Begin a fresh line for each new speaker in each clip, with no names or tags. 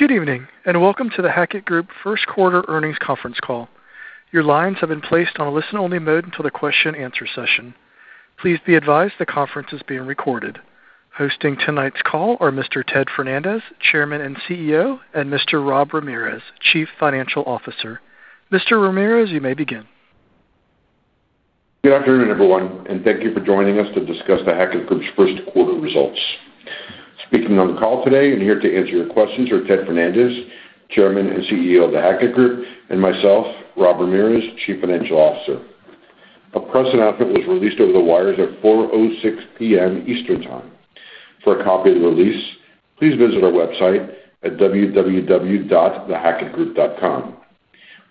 Good evening, and welcome to The Hackett Group first quarter earnings conference call. Hosting tonight's call are Mr. Ted Fernandez, Chairman and CEO, and Mr. Rob Ramirez, Chief Financial Officer. Mr. Ramirez, you may begin.
Good afternoon, everyone. Thank you for joining us to discuss The Hackett Group's first quarter results. Speaking on the call today and here to answer your questions are Ted Fernandez, Chairman and CEO of The Hackett Group, and I, Rob Ramirez, Chief Financial Officer. A press announcement was released over the wires at 4:06 P.M. Eastern Time. For a copy of the release, please visit our website at www.thehackettgroup.com.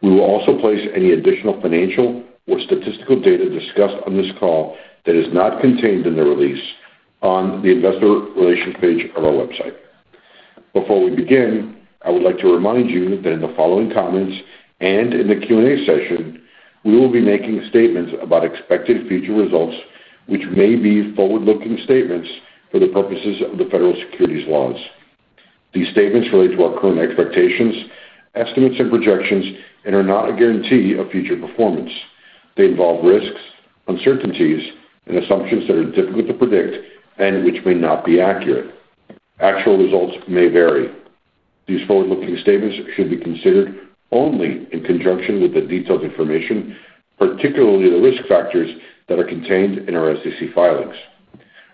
We will also place any additional financial or statistical data discussed on this call that is not contained in the release on the investor relations page of our website. Before we begin, I would like to remind you that in the following comments and in the Q&A session, we will be making statements about expected future results, which may be forward-looking statements for the purposes of the federal securities laws. These statements relate to our current expectations, estimates, and projections and are not a guarantee of future performance. They involve risks, uncertainties, and assumptions that are difficult to predict and which may not be accurate. Actual results may vary. These forward-looking statements should be considered only in conjunction with the detailed information, particularly the risk factors that are contained in our SEC filings.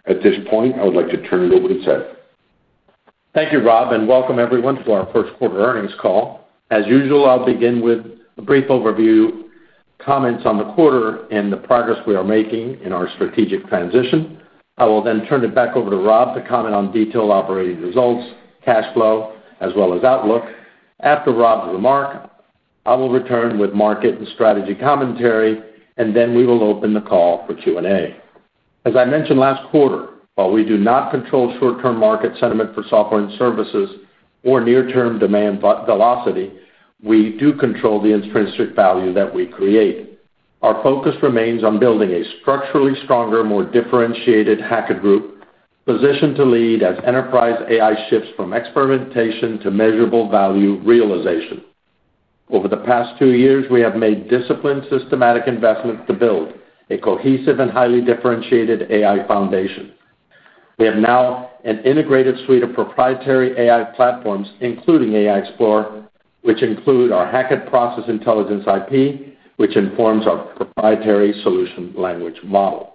At this point, I would like to turn it over to Ted.
Thank you, Rob, and welcome everyone to our first quarter earnings call. As usual, I'll begin with a brief overview, comments on the quarter, and the progress we are making in our strategic transition. I will then turn it back over to Rob to comment on detailed operating results, cash flow, as well as outlook. After Rob's remark, I will return with market and strategy commentary, and then we will open the call for Q&A. As I mentioned last quarter, while we do not control short-term market sentiment for software and services or near-term demand velocity, we do control the intrinsic value that we create. Our focus remains on building a structurally stronger, more differentiated The Hackett Group, positioned to lead as enterprise AI shifts from experimentation to measurable value realization. Over the past two years, we have made disciplined, systematic investments to build a cohesive and highly differentiated AI foundation. We now have an integrated suite of proprietary AI platforms, including Hackett AI XPLR, which includes our Hackett Process Intelligence IP, which informs our proprietary solution language model.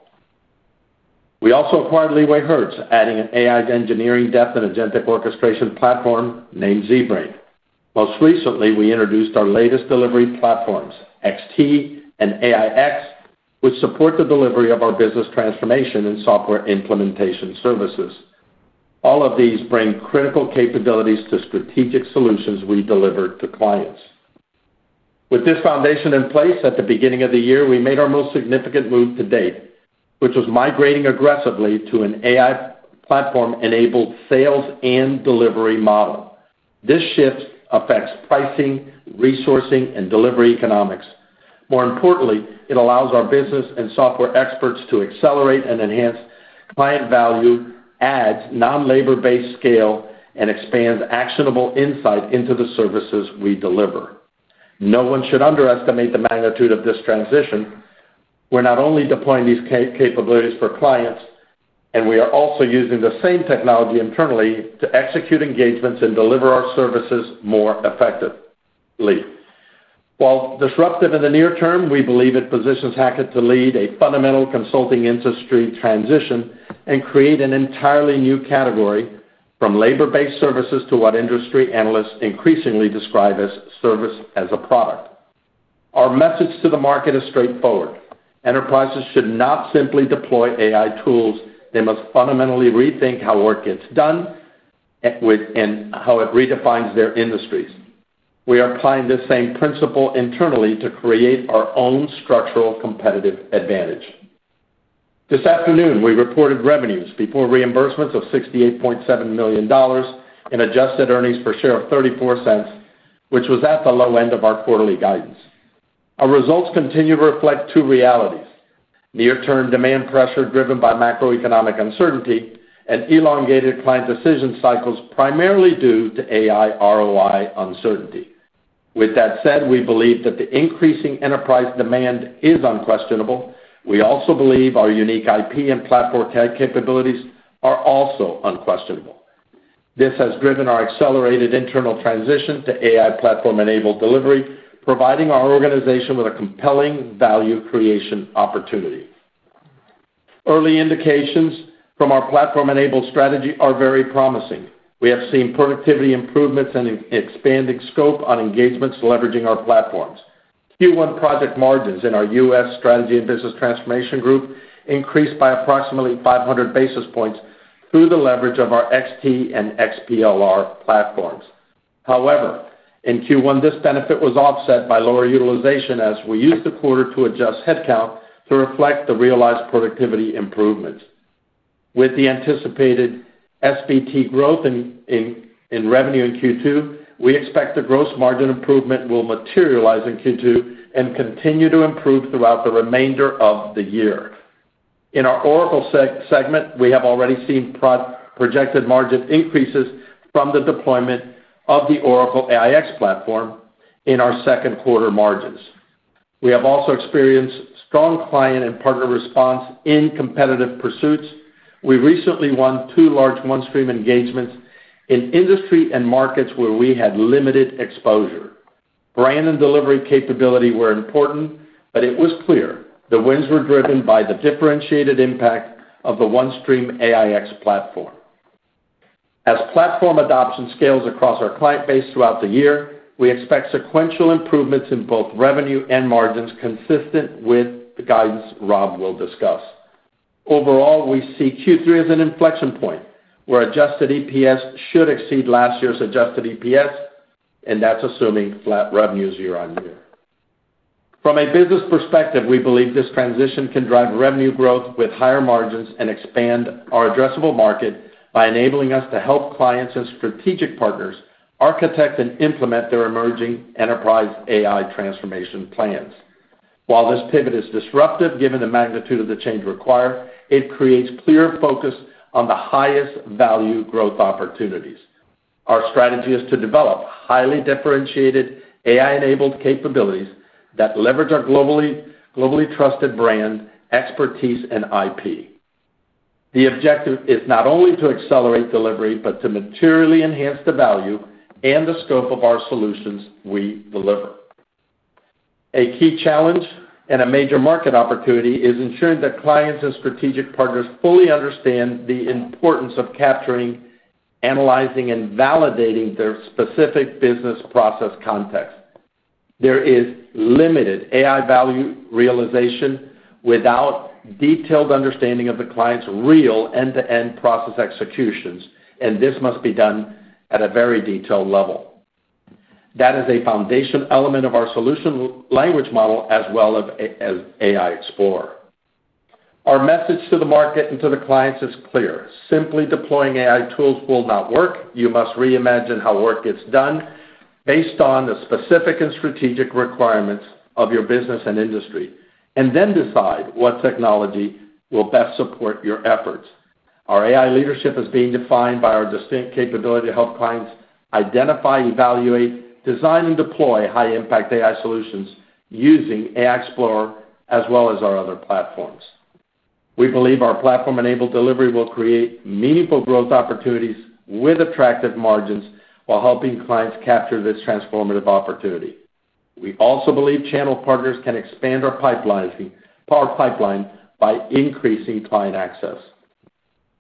We also acquired LeewayHertz, adding an AI engineering depth and an agentic orchestration platform named ZBrain. Most recently, we introduced our latest delivery platforms, XT and AIX, which support the delivery of our business transformation and software implementation services. All of these bring critical capabilities to strategic solutions we deliver to clients. With this foundation in place at the beginning of the year, we made our most significant move to date, which was migrating aggressively to an AI platform-enabled sales and delivery model. This shift affects pricing, resourcing, and delivery economics. More importantly, it allows our business and software experts to accelerate and enhance client value, add non-labor-based scale, and expand actionable insight into the services we deliver. No one should underestimate the magnitude of this transition. We're not only deploying these capabilities for clients, but we are also using the same technology internally to execute engagements and deliver our services more effectively. While disruptive in the near term, we believe it positions Hackett to lead a fundamental consulting industry transition and create an entirely new category from labor-based services to what industry analysts increasingly describe as service as a product. Our message to the market is straightforward. Enterprises should not simply deploy AI tools. They must fundamentally rethink how work gets done and how it redefines their industries. We are applying the same principle internally to create our own structural competitive advantage. This afternoon, we reported revenues before reimbursements of $68.7 million and adjusted earnings per share of $0.34, which was at the low end of our quarterly guidance. Our results continue to reflect two realities: near-term demand pressure driven by macroeconomic uncertainty and elongated client decision cycles primarily due to AI ROI uncertainty. With that said, we believe that the increasing enterprise demand is unquestionable. We also believe our unique IP and platform capabilities are unquestionable. This has driven our accelerated internal transition to AI platform-enabled delivery, providing our organization with a compelling value creation opportunity. Early indications from our platform-enabled strategy are very promising. We have seen productivity improvements and an expanding scope on engagements leveraging our platforms. Q1 project margins in our U.S. Strategy and Business Transformation group increased by approximately 500 basis points through the leverage of our XT and XPLR platforms. However, in Q1, this benefit was offset by lower utilization as we used the quarter to adjust headcount to reflect the realized productivity improvements. With the anticipated SBT growth in revenue in Q2, we expect the gross margin improvement to materialize in Q2 and continue to improve throughout the remainder of the year. In our Oracle segment, we have already seen projected margin increases from the deployment of the Oracle AIX platform in our second-quarter margins. We have also experienced strong client and partner response in competitive pursuits. We recently won two large OneStream engagements in the industry and markets where we had limited exposure. Brand and delivery capability were important, but it was clear the wins were driven by the differentiated impact of the OneStream AIX platform. As platform adoption scales across our client base throughout the year, we expect sequential improvements in both revenue and margins consistent with the guidance Rob will discuss. Overall, we see Q3 as an inflection point where Adjusted EPS should exceed last year's Adjusted EPS, and that's assuming flat revenues year-on-year. From a business perspective, we believe this transition can drive revenue growth with higher margins and expand our addressable market by enabling us to help clients and strategic partners architect and implement their emerging enterprise AI transformation plans. While this pivot is disruptive, given the magnitude of the change required, it creates clear focus on the highest value growth opportunities. Our strategy is to develop highly differentiated AI-enabled capabilities that leverage our globally trusted brand expertise and IP. The objective is not only to accelerate delivery, but to materially enhance the value and the scope of our solutions we deliver. A key challenge and a major market opportunity is ensuring that clients and strategic partners fully understand the importance of capturing, analyzing, and validating their specific business process context. There is limited AI value realization without a detailed understanding of the client's real end-to-end process executions, and this must be done at a very detailed level. That is a foundation element of our solution language model as well as AI XPLR. Our message to the market and to the clients is clear. Simply deploying AI tools will not work. You must reimagine how work gets done based on the specific and strategic requirements of your business and industry, and then decide what technology will best support your efforts. Our AI leadership is being defined by our distinct capability to help clients identify, evaluate, design, and deploy high-impact AI solutions using AI XPLR as well as our other platforms. We believe our platform-enabled delivery will create meaningful growth opportunities with attractive margins while helping clients capture this transformative opportunity. We also believe channel partners can expand our pipeline by increasing client access.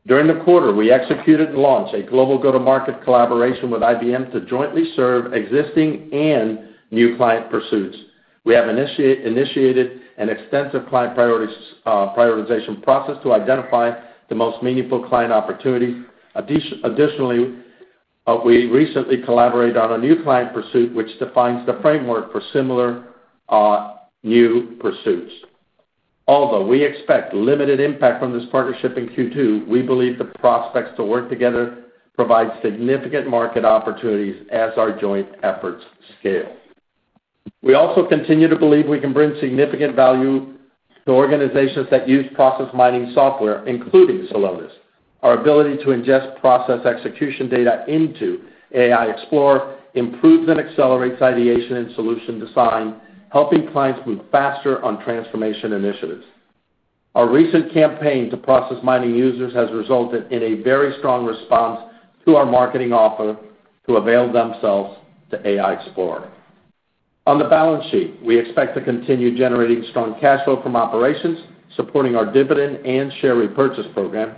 During the quarter, we executed and launched a global go-to-market collaboration with IBM to jointly serve existing and new client pursuits. We have initiated an extensive client prioritization process to identify the most meaningful client opportunities. Additionally, we recently collaborated on a new client pursuit that defines the framework for similar new pursuits. Although we expect limited impact from this partnership in Q2, we believe the prospects to work together provide significant market opportunities as our joint efforts scale. We also continue to believe we can bring significant value to organizations that use process mining software, including Celonis. Our ability to ingest process execution data into Hackett AI XPLR improves and accelerates ideation and solution design, helping clients move faster on transformation initiatives. Our recent campaign to process mining users has resulted in a very strong response to our marketing offer to avail themselves of Hackett AI XPLR. On the balance sheet, we expect to continue generating strong cash flow from operations, supporting our dividend and share repurchase program.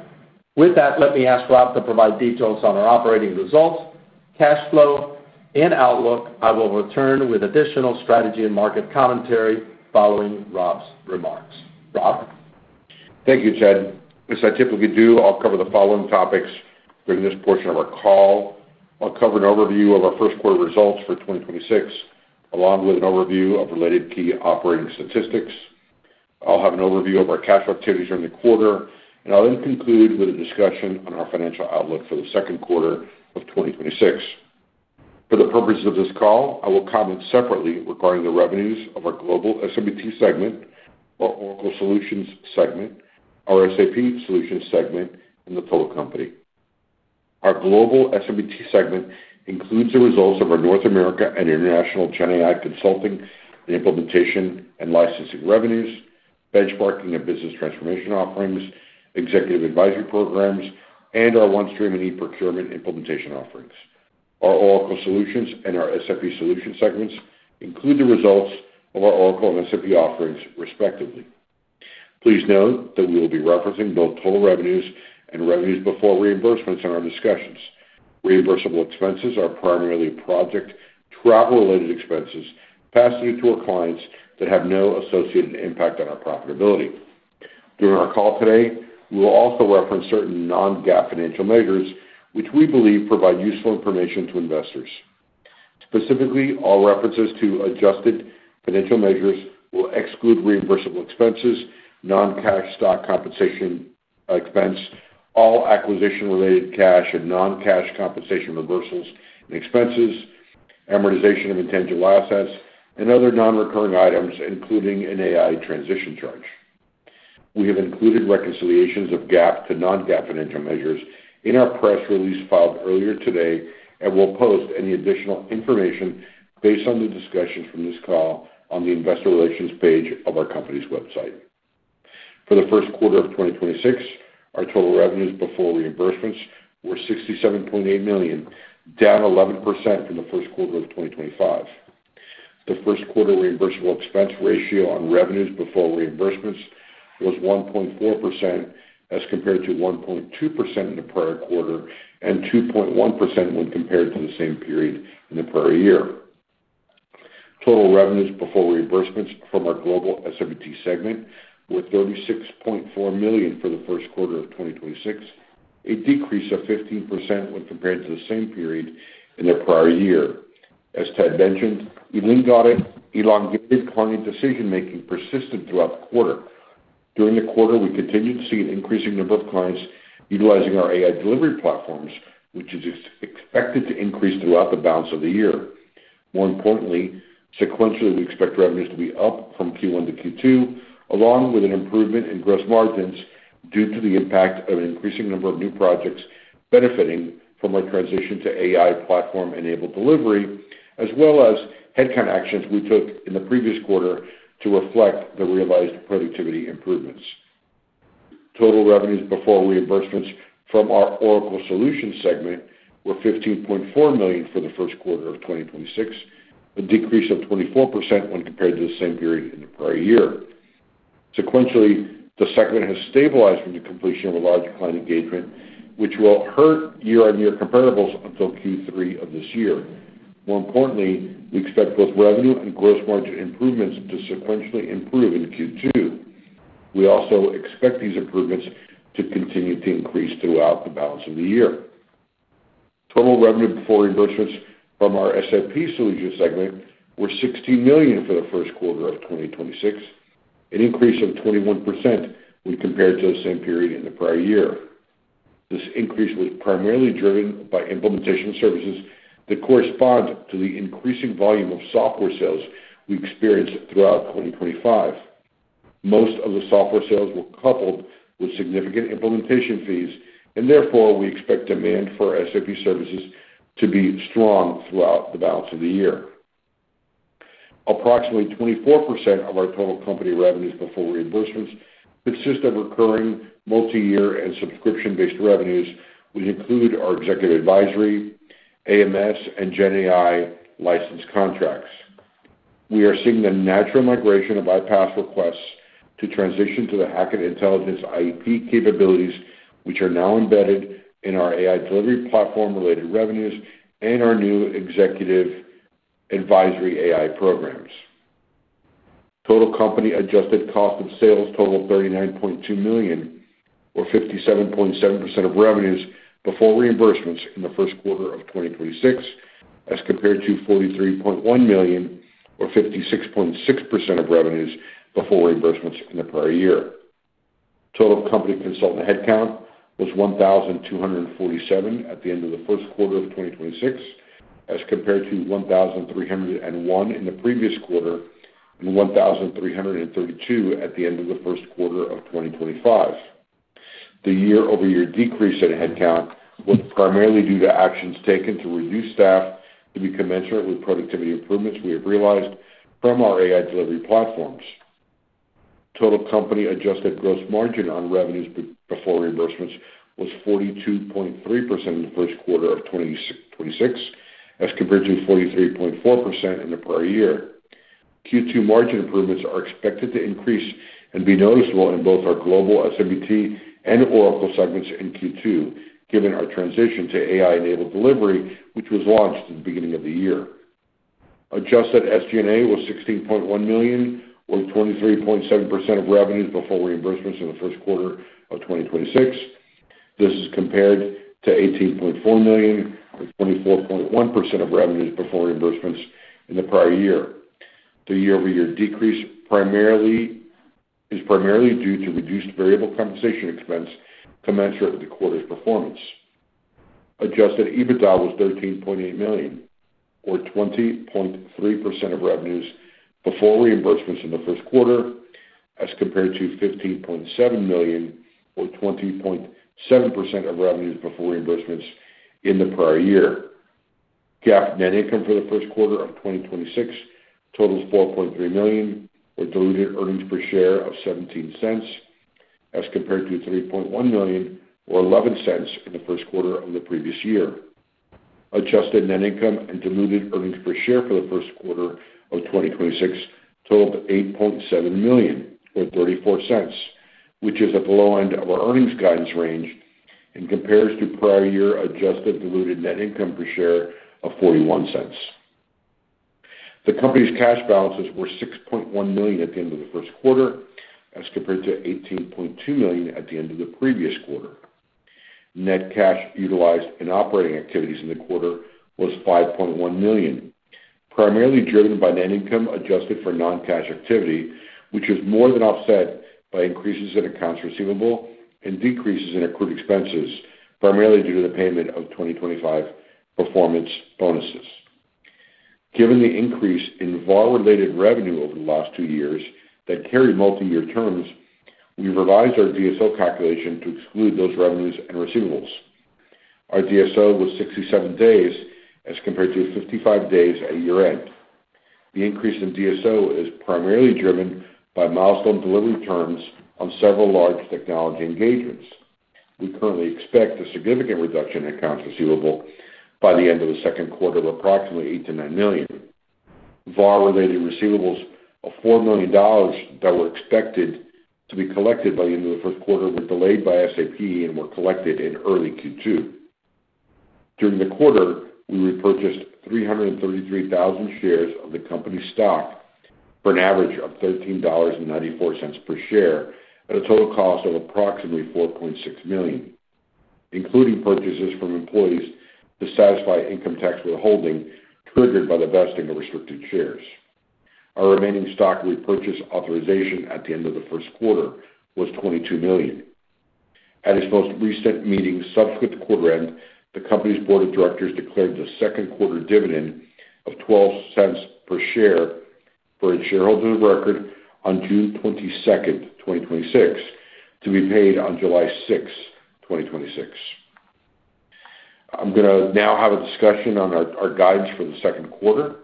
With that, let me ask Rob to provide details on our operating results, cash flow, and outlook. I will return with additional strategy and market commentary following Rob's remarks. Rob?
Thank you, Ted. As I typically do, I'll cover the following topics during this portion of our call. I'll cover an overview of our first quarter results for 2026, along with an overview of related key operating statistics. I'll have an overview of our cash activities during the quarter, and I'll then conclude with a discussion on our financial outlook for the second quarter of 2026. For the purposes of this call, I will comment separately regarding the revenues of our Global S&BT segment, our Oracle Solutions segment, our SAP Solutions segment, and the total company. Our Global S&BT segment includes the results of our North America and international GenAI consulting and implementation and licensing revenues, benchmarking of business transformation offerings, executive advisory programs, and our OneStream and eProcurement implementation offerings. Our Oracle Solutions and our SAP Solutions segments include the results of our Oracle and SAP offerings, respectively. Please note that we will be referencing both total revenues and revenues before reimbursements in our discussions. Reimbursable expenses are primarily project travel-related expenses passed through to our clients that have no associated impact on our profitability. During our call today, we will also reference certain non-GAAP financial measures, which we believe provide useful information to investors. Specifically, all references to adjusted financial measures will exclude reimbursable expenses, non-cash stock compensation expense, all acquisition-related cash and non-cash compensation reversals and expenses, Amortization of intangible assets and other non-recurring items, including an AI transition charge. We have included reconciliations of GAAP to non-GAAP financial measures in our press release filed earlier today, and we'll post any additional information based on the discussions from this call on the investor relations page of our company's website. For the first quarter of 2026, our total revenues before reimbursements were $67.8 million, down 11% from the first quarter of 2025. The first quarter reimbursable expense ratio on revenues before reimbursements was 1.4% as compared to 1.2% in the prior quarter and 2.1% when compared to the same period in the prior year. Total revenues before reimbursements from our Global S&BT segment were $36.4 million for the first quarter of 2026, a decrease of 15% when compared to the same period in the prior year. As Ted mentioned, elongated client decision-making persisted throughout the quarter. During the quarter, we continued to see an increasing number of clients utilizing our AI delivery platforms, which is expected to increase throughout the balance of the year. More importantly, sequentially, we expect revenues to be up from Q1 to Q2, along with an improvement in gross margins due to the impact of an increasing number of new projects benefiting from our transition to AI platform-enabled delivery, as well as headcount actions we took in the previous quarter to reflect the realized productivity improvements. Total revenues before reimbursements from our Oracle Solutions segment were $15.4 million for the first quarter of 2026, a decrease of 24% when compared to the same period in the prior year. Sequentially, the segment has stabilized from the completion of a large client engagement, which will hurt year-over-year comparables until Q3 of this year. More importantly, we expect both revenue and gross margin improvements to sequentially improve in Q2. We also expect these improvements to continue to increase throughout the balance of the year. Total revenue before reimbursements from our SAP Solutions segment was $16 million for the first quarter of 2026, an increase of 21% when compared to the same period in the prior year. This increase was primarily driven by implementation services that correspond to the increasing volume of software sales we experienced throughout 2025. Most of the software sales were coupled with significant implementation fees. Therefore, we expect demand for SAP services to be strong throughout the balance of the year. Approximately 24% of our total company revenues before reimbursements consist of recurring, multi-year, and subscription-based revenues, which include our executive advisory, AMS, and GenAI license contracts. We are seeing the natural migration of bypass requests to transition to the Hackett Intelligence IP capabilities, which are now embedded in our AI delivery platform-related revenues and our new executive advisory AI programs. Total company adjusted cost of sales totaled $39.2 million, or 57.7% of revenues before reimbursements in the first quarter of 2026, as compared to $43.1 million, or 56.6% of revenues before reimbursements in the prior year. Total company consultant headcount was 1,247 at the end of the first quarter of 2026, as compared to 1,301 in the previous quarter and 1,332 at the end of the first quarter of 2025. The year-over-year decrease in headcount was primarily due to actions taken to reduce staff to be commensurate with productivity improvements we have realized from our AI delivery platforms. Total company adjusted gross margin on revenues before reimbursements was 42.3% in the first quarter of 2026, as compared to 43.4% in the prior year. Q2 margin improvements are expected to increase and be noticeable in both our Global S&BT and Oracle segments in Q2, given our transition to AI-enabled delivery, which was launched at the beginning of the year. Adjusted SG&A was $16.1 million, or 23.7% of revenues before reimbursements in the first quarter of 2026. This is compared to $18.4 million, or 24.1% of revenues before reimbursements in the prior year. The year-over-year decrease is primarily due to reduced variable compensation expense commensurate with the quarter's performance. Adjusted EBITDA was $13.8 million, or 20.3% of revenues before reimbursements in the first quarter, as compared to $15.7 million, or 20.7% of revenues before reimbursements in the prior year. GAAP net income for the first quarter of 2026 totals $4.3 million, or diluted earnings per share of $0.17, as compared to $3.1 million, or $0.11 in the first quarter of the previous year. Adjusted net income and diluted earnings per share for the first quarter of 2026 totaled $8.7 million, or $0.34, which is at the low end of our earnings guidance range and compares to prior year adjusted diluted net income per share of $0.41. The company's cash balances were $6.1 million at the end of the first quarter, as compared to $18.2 million at the end of the previous quarter. Net cash utilized in operating activities in the quarter was $5.1 million. Primarily driven by net income adjusted for non-cash activity, which is more than offset by increases in accounts receivable and decreases in accrued expenses, primarily due to the payment of 2025 performance bonuses. Given the increase in VAR-related revenue over the last two years that carry multi-year terms, we revised our DSO calculation to exclude those revenues and receivables. Our DSO was 67 days as compared to 55 days at year-end. The increase in DSO is primarily driven by milestone delivery terms on several large technology engagements. We currently expect a significant reduction in accounts receivable by the end of the second quarter of approximately $8 million-$9 million. VAR-related receivables of $4 million that were expected to be collected by the end of the first quarter were delayed by SAP and were collected in early Q2. During the quarter, we repurchased 333,000 shares of the company's stock for an average of $13.94 per share at a total cost of approximately $4.6 million, including purchases from employees to satisfy income tax withholding triggered by the vesting of restricted shares. Our remaining stock repurchase authorization at the end of the first quarter was $22 million. At its most recent meeting subsequent to quarter end, the company's board of directors declared the second quarter dividend of $0.12 per share for its shareholders of record on June 22nd, 2026, to be paid on July 6, 2026. I'm gonna have a discussion on our guidance for the second quarter.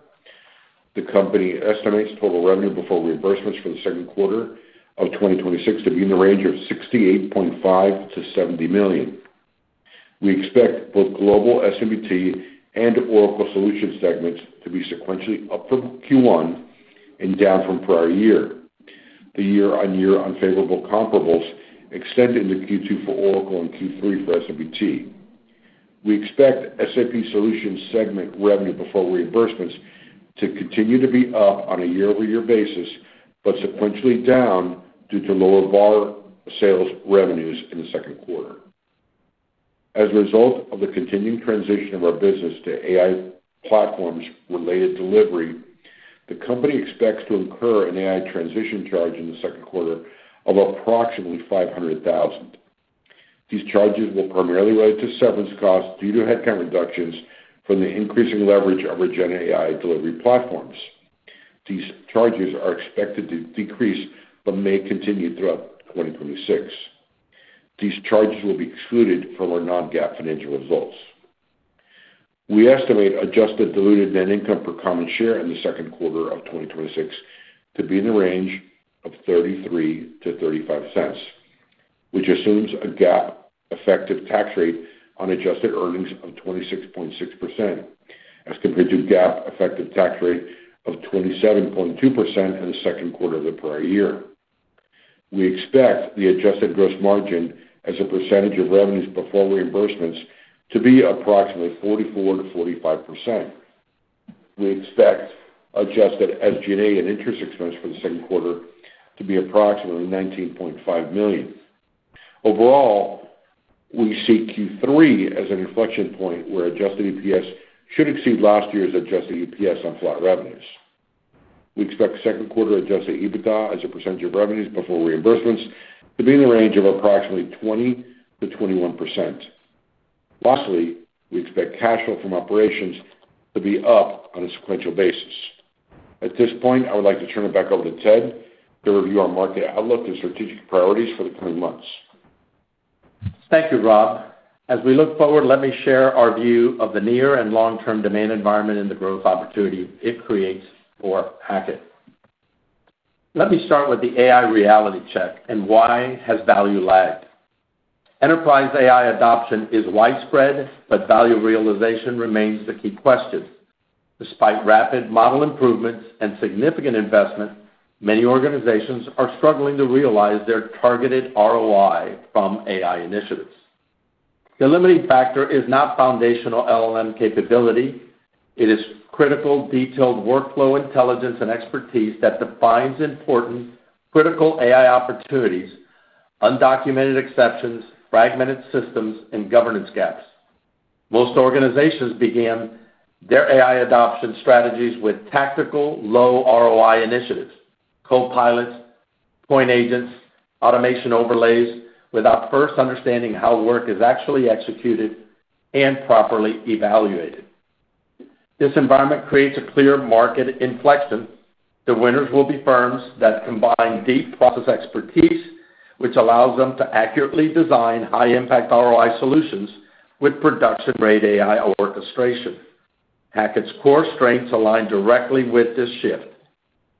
The company estimates total revenue before reimbursements for the second quarter of 2026 to be in the range of $68.5 million-$70 million. We expect both Global S&BT and Oracle Solutions segments to be sequentially up from Q1 and down from the prior year. The year-on-year unfavorable comparables extend into Q2 for Oracle and Q3 for S&BT. We expect the SAP Solutions segment revenue before reimbursements to continue to be up on a year-over-year basis, but sequentially down due to lower VAR sales revenues in the second quarter. As a result of the continuing transition of our business to AI platform-related delivery, the company expects to incur an AI transition charge in the second quarter of approximately $500,000. These charges will primarily relate to severance costs due to headcount reductions from the increasing leverage of our GenAI delivery platforms. These charges are expected to decrease but may continue throughout 2026. These charges will be excluded from our non-GAAP financial results. We estimate adjusted diluted net income per common share in the second quarter of 2026 to be in the range of $0.33-$0.35, which assumes a GAAP effective tax rate on adjusted earnings of 26.6%, as compared to a GAAP effective tax rate of 27.2% in the second quarter of the prior year. We expect the adjusted gross margin as a percentage of revenues before reimbursements to be approximately 44%-45%. We expect adjusted SG&A and interest expense for the second quarter to be approximately $19.5 million. Overall, we see Q3 as an inflection point where Adjusted EPS should exceed last year's Adjusted EPS on flat revenues. We expect second quarter Adjusted EBITDA as a percentage of revenues before reimbursements to be in the range of approximately 20%-21%. Lastly, we expect cash flow from operations to be up on a sequential basis. At this point, I would like to turn it back over to Ted to review our market outlook and strategic priorities for the coming months.
Thank you, Rob. As we look forward, let me share our view of the near and long-term domain environment and the growth opportunity it creates for Hackett. Let me start with the AI reality check and why value has lagged. Enterprise AI adoption is widespread, but value realization remains the key question. Despite rapid model improvements and significant investment, many organizations are struggling to realize their targeted ROI from AI initiatives. The limiting factor is not foundational LLM capability. It is critical to have detailed workflow intelligence and expertise that defines important critical AI opportunities, undocumented exceptions, fragmented systems, and governance gaps. Most organizations began their AI adoption strategies with tactical low ROI initiatives, copilots, point agents, and automation overlays, without first understanding how work is actually executed and properly evaluated. This environment creates a clear market inflection. The winners will be firms that combine deep process expertise, which allows them to accurately design high-impact ROI solutions with production-grade AI orchestration. Hackett's core strengths align directly with this shift.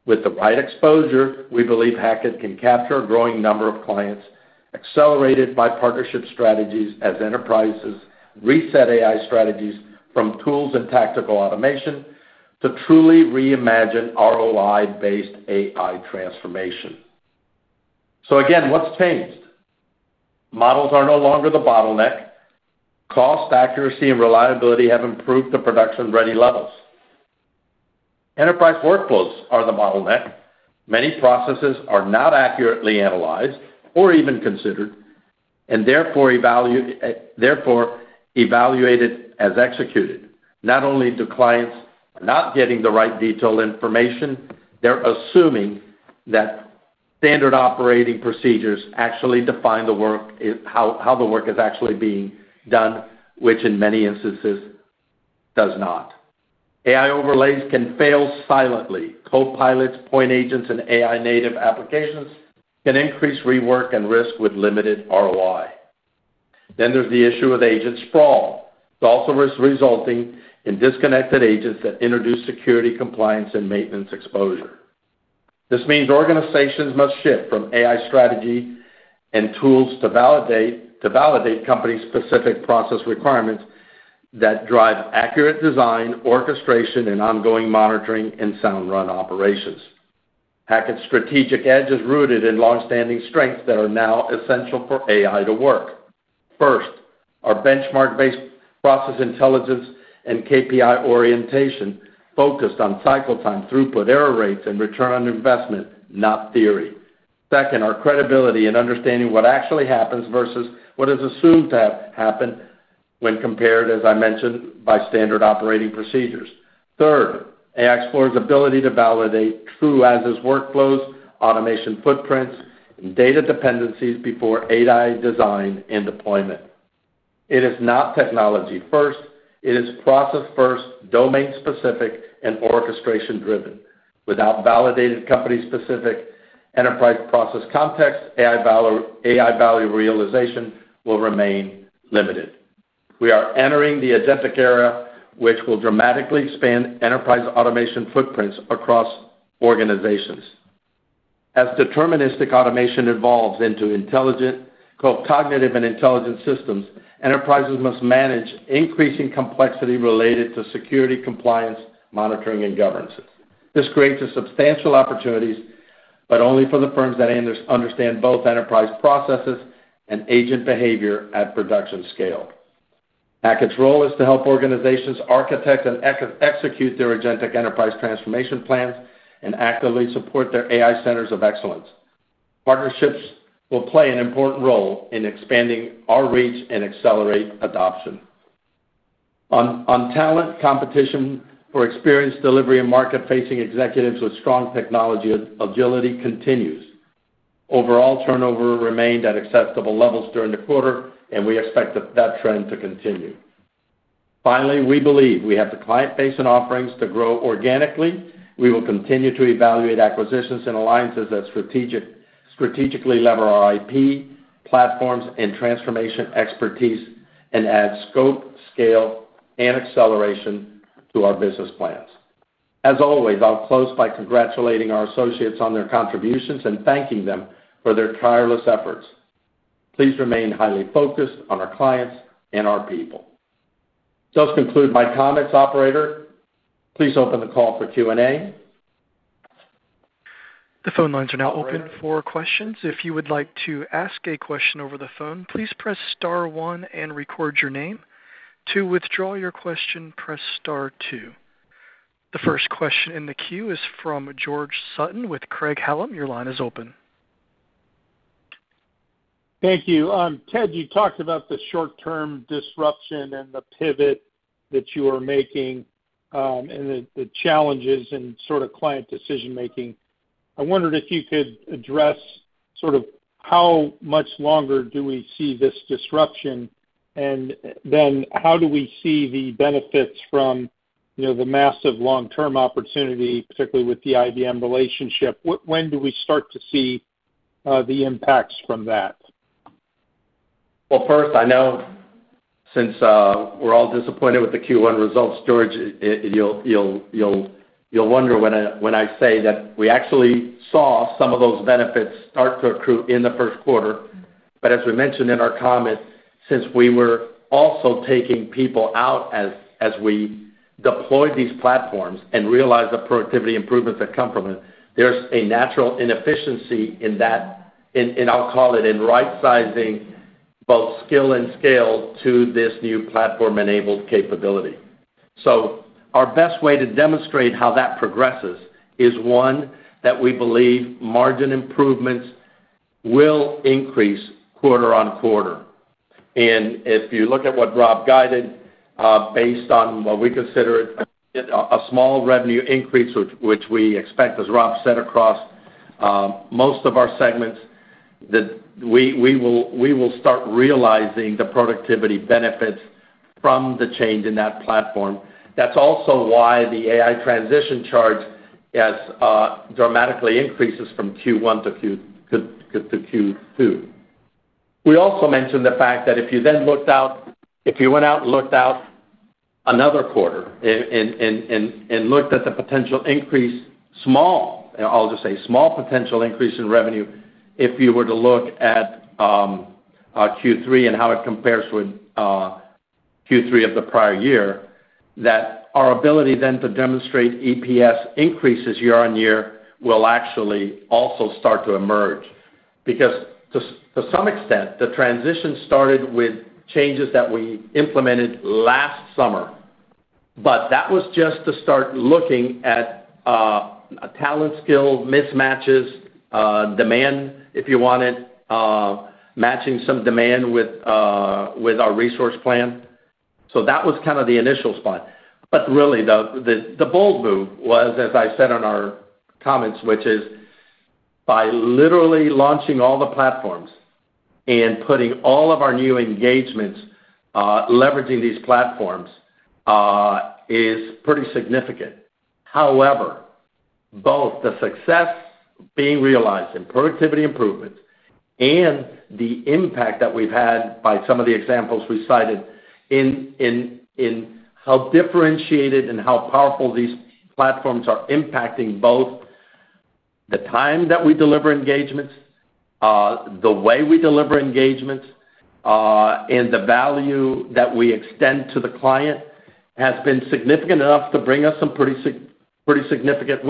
With the right exposure, we believe Hackett can capture a growing number of clients accelerated by partnership strategies as enterprises reset AI strategies from tools and tactical automation to truly reimagine ROI-based AI transformation. Again, what's changed? Models are no longer the bottleneck. Cost, accuracy, and reliability have improved to production-ready levels. Enterprise workflows are the bottleneck. Many processes are not accurately analyzed or even considered and, therefore, evaluated as executed. Not only do clients not get the right detailed information, they're assuming that standard operating procedures actually define the work, how the work is actually being done, which in many instances does not. AI overlays can fail silently. Copilots, point agents, and AI native applications can increase rework and risk with limited ROI. There's the issue of agent sprawl. It also risks resulting in disconnected agents that introduce security, compliance, and maintenance exposure. This means organizations must shift from AI strategy and tools to validate company-specific process requirements that drive accurate design, orchestration, and ongoing monitoring and sound run operations. Hackett's strategic edge is rooted in longstanding strengths that are now essential for AI to work. First, our benchmark-based process intelligence and KPI orientation focused on cycle time, throughput, error rates, and return on investment, not theory. Second, our credibility in understanding what actually happens versus what is assumed to happen when compared, as I mentioned, to standard operating procedures. Third, AI XPLR's ability to validate true as-is workflows, automation footprints, and data dependencies before AI design and deployment. It is not technology first. It is process-first, domain-specific, and orchestration-driven. Without a validated company-specific enterprise process context, AI value realization will remain limited. We are entering the agentic era, which will dramatically expand enterprise automation footprints across organizations. As deterministic automation evolves into intelligent cognitive and intelligent systems, enterprises must manage increasing complexity related to security, compliance, monitoring, and governance. This creates substantial opportunities, but only for the firms that understand both enterprise processes and agent behavior at the production scale. Hackett's role is to help organizations architect and execute their agentic enterprise transformation plans and actively support their AI centers of excellence. Partnerships will play an important role in expanding our reach and accelerating adoption. On talent, competition for experienced delivery and market-facing executives with strong technology agility continues. Overall turnover remained at acceptable levels during the quarter. We expect that trend to continue. Finally, we believe we have the client base and offerings to grow organically. We will continue to evaluate acquisitions and alliances that strategically leverage our IP, platforms, and transformation expertise and add scope, scale, and acceleration to our business plans. As always, I'll close by congratulating our associates on their contributions and thanking them for their tireless efforts. Please remain highly focused on our clients and our people. Those conclude my comments, operator. Please open the call for Q&A.
The phone lines are now open for questions. If you would like to ask a question over the phone, please press star one and record your name. To withdraw your question, press star two. The first question in the queue is from George Sutton with Craig-Hallum. Your line is open.
Thank you. Ted, you talked about the short-term disruption and the pivot that you are making, and the challenges in sort of client decision-making. I wondered if you could address sort of how much longer do we see this disruption, and then how do we see the benefits from, you know, the massive long-term opportunity, particularly with the IBM relationship? When do we start to see the impacts from that?
Well, first, I know since, we're all disappointed with the Q1 results, George, you'll wonder when I say that we actually saw some of those benefits start to accrue in the 1st quarter. As we mentioned in our comments, since we were also taking people out as we deployed these platforms and realized the productivity improvements that come from it, there's a natural inefficiency in that, I'll call it, in right-sizing both skill and scale to this new platform-enabled capability. Our best way to demonstrate how that progresses is, one, that we believe margin improvements will increase quarter-on-quarter. If you look at what Rob guided, based on what we consider a small revenue increase, which we expect, as Rob said, across most of our segments, we will start realizing the productivity benefits from the change in that platform. That's also why the AI transition charge has dramatically increased from Q1 to Q2. We also mentioned the fact that if you went out and looked at another quarter and looked at the potential increase, a small potential increase in revenue, if you were to look at Q3 and how it compares with Q3 of the prior year, our ability to demonstrate EPS increases year-on-year will actually also start to emerge. To some extent, the transition started with changes that we implemented last summer. That was just to start looking at talent skill mismatches, demand, if you want it, matching some demand with our resource plan. That was kind of the initial spot. Really, the bold move was, as I said in our comments, which is by literally launching all the platforms and putting all of our new engagements leveraging these platforms is pretty significant. However, both the success being realized in productivity improvements and the impact that we've had by some of the examples we cited in how differentiated and how powerful these platforms are, impacting both the time that we deliver engagements, the way we deliver engagements, and the value that we extend to the client, has been significant enough to bring us some pretty significant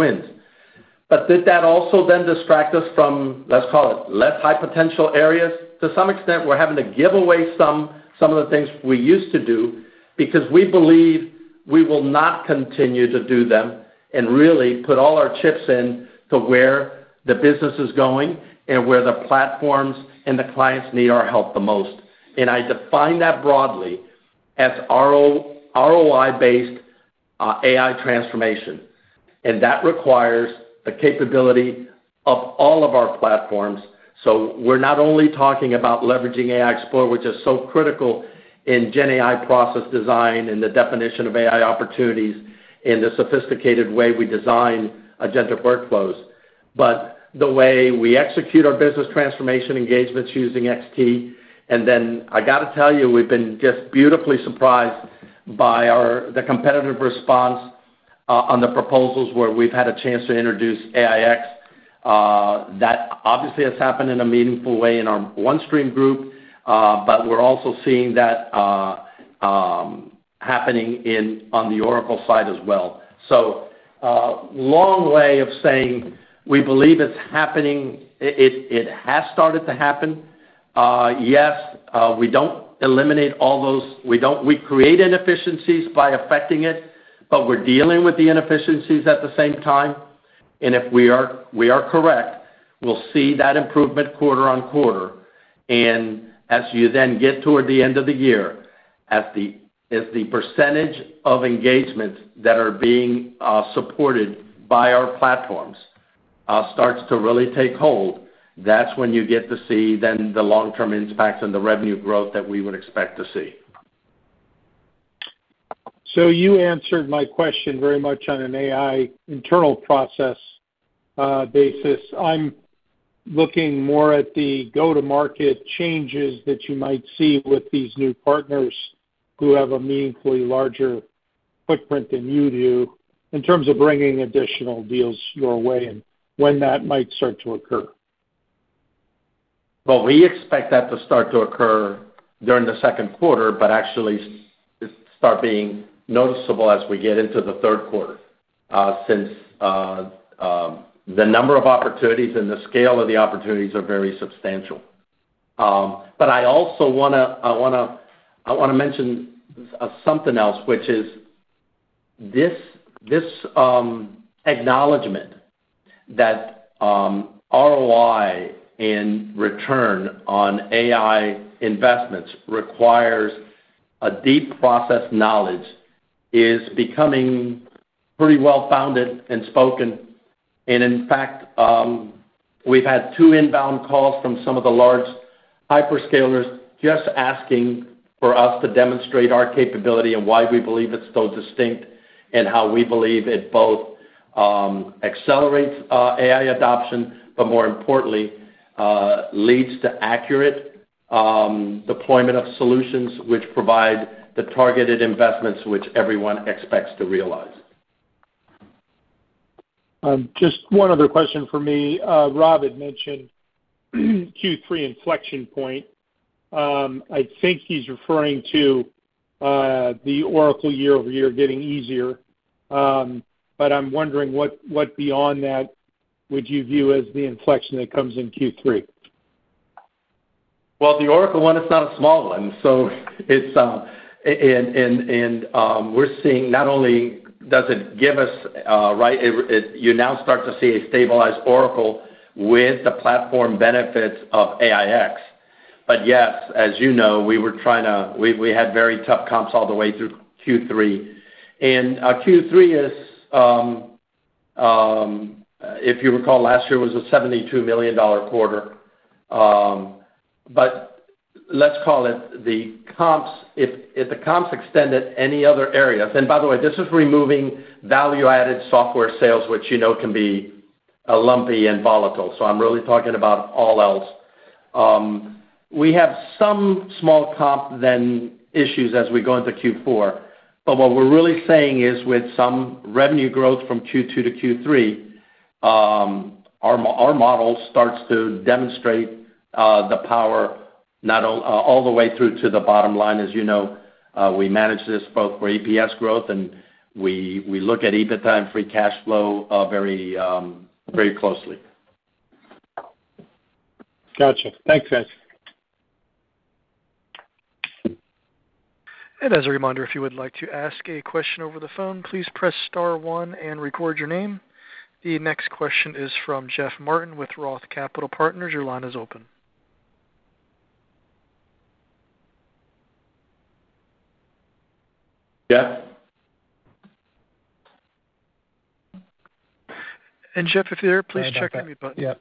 wins. Did that also then distract us from, let's call it, less high-potential areas? To some extent, we're having to give away some of the things we used to do because we believe we will not continue to do them, and really put all our chips into where the business is going and where the platforms and the clients need our help the most. I define that broadly as an ROI-based AI transformation that requires the capability of all of our platforms. We're not only talking about leveraging Hackett AI XPLR, which is so critical in GenAI process design and the definition of AI opportunities in the sophisticated way we design agentic workflows, but also the way we execute our business transformation engagements using XT. I got to tell you, we've been just beautifully surprised by the competitive response to the proposals where we've had a chance to introduce AIX. That obviously has happened in a meaningful way in our OneStream group, but we're also seeing that happening on the Oracle side as well. Long way of saying we believe it's happening. It has started to happen. Yes, we don't eliminate all those. We create inefficiencies by affecting it, but we're dealing with the inefficiencies at the same time. If we are, we are correct; we'll see that improvement quarter on quarter. As you then get toward the end of the year, as the percentage of engagements that are being supported by our platforms starts to really take hold, that's when you get to see the long-term impacts on the revenue growth that we would expect to see.
You answered my question very much on an AI internal process basis. I'm looking more at the go-to-market changes that you might see with these new partners who have a meaningfully larger footprint than you do in terms of bringing additional deals your way, and when that might start to occur.
Well, we expect that to start to occur during the second quarter, but actually start being noticeable as we get into the third quarter, since the number of opportunities and the scale of the opportunities are very substantial. I also wanna mention something else, which is this acknowledgment that ROI in return on AI investments requires a deep process knowledge, which is becoming pretty well-founded and spoken. In fact, we've had two inbound calls from some of the large hyperscalers just asking for us to demonstrate our capability and why we believe it's so distinct, and how we believe it both accelerates AI adoption, but more importantly, leads to accurate deployment of solutions that provide the targeted investments that everyone expects to realize.
Just one other question for me. Rob had mentioned the Q3 inflection point. I think he's referring to the Oracle year-over-year getting easier. I'm wondering what, beyond that, you would view as the inflection that comes in Q3?
Well, the Oracle one is not a small one, so it's. We're seeing that not only does it give us, but you now start to see a stabilized Oracle with the platform benefits of AIX. Yes, as you know, we had very tough comps all the way through Q3. Q3 is, if you recall, last year was a $72 million quarter. Let's call it the comps. If the comps extend to any other areas, and by the way, this is removing value-added software sales, which you know can be lumpy and volatile, so I'm really talking about all else. We have some small comp then issues as we go into Q4. What we're really saying is that with some revenue growth from Q2 to Q3, our model starts to demonstrate the power, not all the way through to the bottom line. As you know, we manage this both for EPS growth, and we look at EBITDA and free cash flow, very, very closely.
Gotcha. Thanks, guys.
As a reminder, if you would like to ask a question over the phone, please press star one and record your name. The next question is from Jeff Martin with Roth Capital Partners. Your line is open.
Jeff?
Jeff, if you're there, please check your mute button.
Yeah.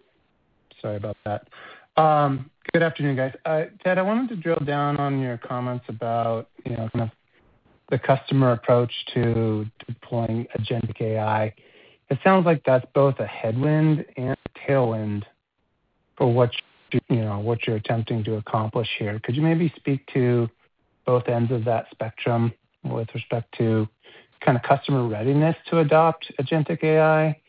Sorry about that. Good afternoon, guys. Ted, I wanted to drill down on your comments about, you know, kind of the customer approach to deploying agentic AI. It sounds like that's both a headwind and a tailwind for what, you know, what you're attempting to accomplish here. Could you maybe speak to both ends of that spectrum with respect to the kind of customer readiness to adopt agentic AI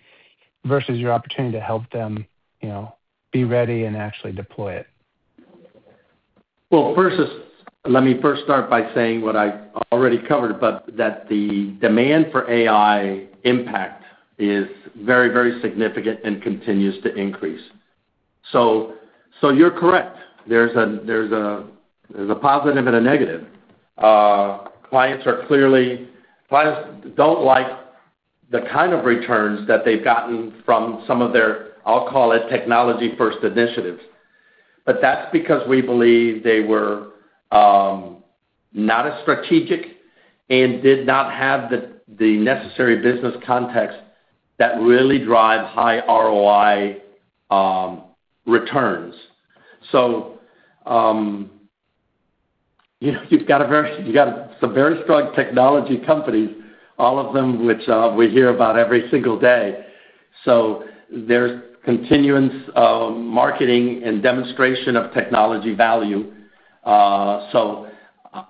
versus your opportunity to help them, you know, be ready and actually deploy it?
Well, let me first start by saying what I already covered, but the demand for AI impact is very, very significant and continues to increase. You're correct. There's a positive and a negative. Clients don't like the kind of returns that they've gotten from some of their, I'll call it, technology-first initiatives. That's because we believe they were not as strategic and did not have the necessary business context that really drives high ROI returns. You know, you've got some very strong technology companies, all of them which we hear about every single day. There's a continuance of marketing and demonstration of technology value.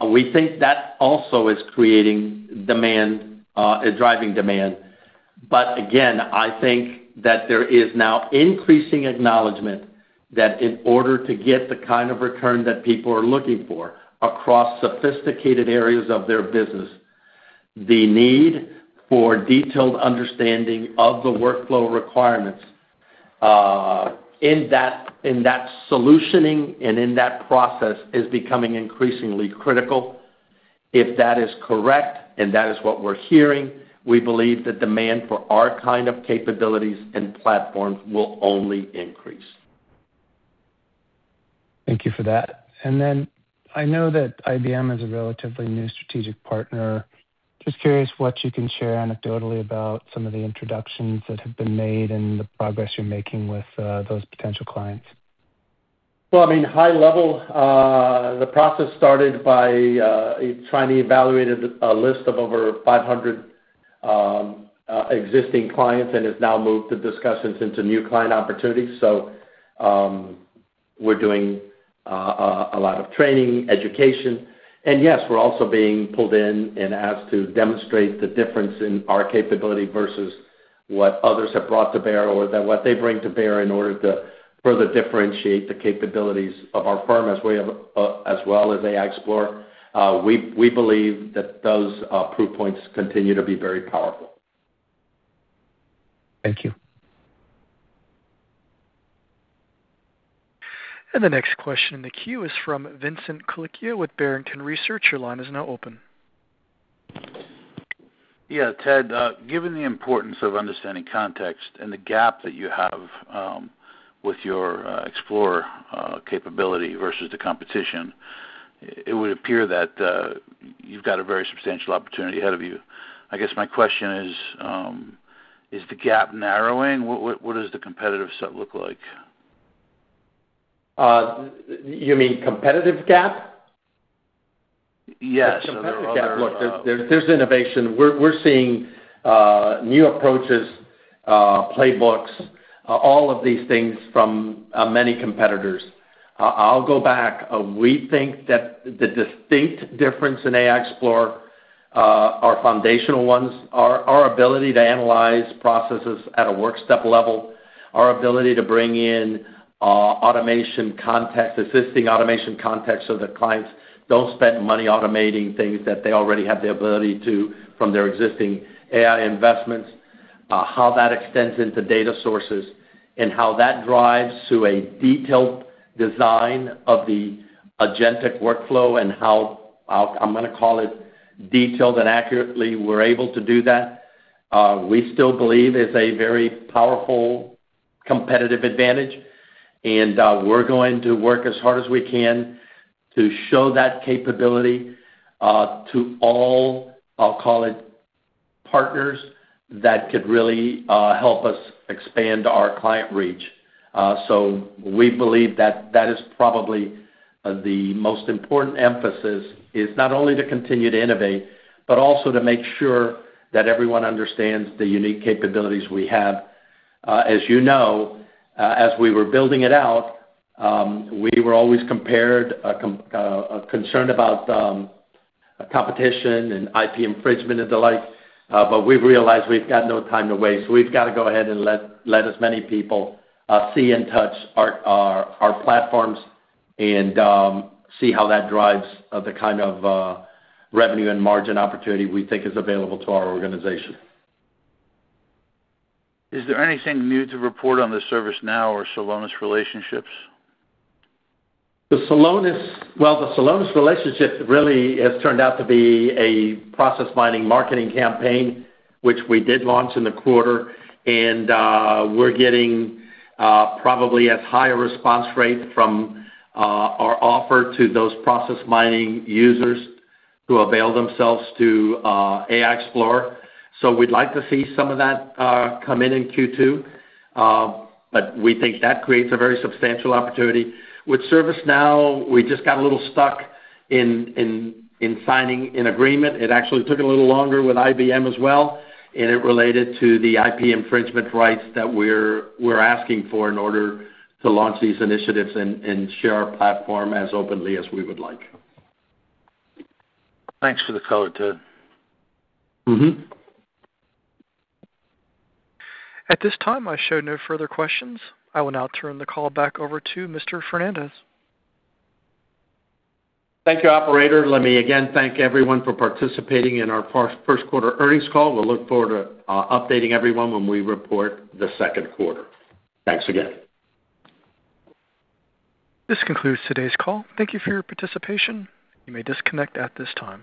We think that is also creating demand, driving demand. Again, I think that there is now increasing acknowledgement that in order to get the kind of return that people are looking for across sophisticated areas of their business, the need for a detailed understanding of the workflow requirements, in that, in that solutioning and in that process, is becoming increasingly critical. If that is correct, and that is what we're hearing, we believe the demand for our kind of capabilities and platforms will only increase.
Thank you for that. I know that IBM is a relatively new strategic partner. Just curious what you can share anecdotally about some of the introductions that have been made and the progress you're making with those potential clients.
Well, I mean, high level, the process started by trying to evaluate a list of over 500 existing clients and has now moved the discussions into new client opportunities. We're doing a lot of training and education. Yes, we're also being pulled in and asked to demonstrate the difference in our capability versus what others have brought to bear or what they bring to bear, in order to further differentiate the capabilities of our firm, as we have, as well as Hackett AI XPLR. We believe that those proof points continue to be very powerful.
Thank you.
The next question in the queue is from Vincent Colicchio with Barrington Research. Your line is now open.
Yeah, Ted, given the importance of understanding context and the gap that you have, with your Explorer capability versus the competition, it would appear that you've got a very substantial opportunity ahead of you. I guess my question is whether the gap is narrowing? What does the competitive set look like?
You mean competitive gap?
Yes. You know.
There's innovation. We're seeing new approaches, playbooks, all of these things from many competitors. I'll go back. We think that the distinct difference in AI XPLR is a foundational one. Our ability to analyze processes at a work step level, our ability to bring in automation context, assisting automation context so that clients don't spend money automating things that they already have the ability to from their existing AI investments, how that extends into data sources and how that drives to a detailed design of the agentic workflow and how I'm gonna call it detailed and accurately we're able to do that, we still believe is a very powerful competitive advantage. We're going to work as hard as we can to show that capability to all. I'll call them partners, who could really help us expand our client reach. We believe that that is probably the most important emphasis is not only to continue to innovate, but also to make sure that everyone understands the unique capabilities we have. As you know, as we were building it out, we were always concerned about competition and IP infringement and the like. We've realized we've got no time to waste. We've got to go ahead and let as many people see and touch our platforms and see how that drives the kind of revenue and margin opportunity we think is available to our organization.
Is there anything new to report on the ServiceNow or Celonis relationships?
Well, the Celonis relationship really has turned out to be a process mining marketing campaign, which we did launch in the quarter. We're getting probably as high a response rate from our offer to those process mining users who avail themselves of AI XPLR. We'd like to see some of that come in in Q2. We think that creates a very substantial opportunity. With ServiceNow, we just got a little stuck in signing an agreement. It actually took a little longer with IBM as well, and it related to the IP infringement rights that we're asking for in order to launch these initiatives and share our platform as openly as we would like.
Thanks for the color, Ted.
At this time, I show no further questions. I will now turn the call back over to Mr. Fernandez.
Thank you, operator. Let me again thank everyone for participating in our first quarter earnings call. We'll look forward to updating everyone when we report the second quarter. Thanks again.
This concludes today's call. Thank you for your participation. You may disconnect at this time.